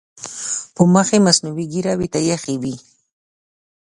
پر مخ یې مصنوعي ږیره ورته اېښې وي.